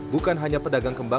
bukan hanya pedagang kembang